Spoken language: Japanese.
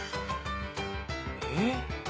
えっ？